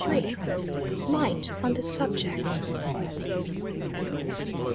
LIGHT ON THE SUBJECT.